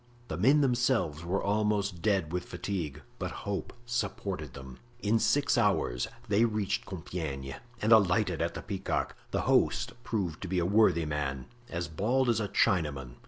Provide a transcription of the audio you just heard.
The men themselves were almost dead with fatigue, but hope supported them. In six hours they reached Compiegne and alighted at the Peacock. The host proved to be a worthy man, as bald as a Chinaman.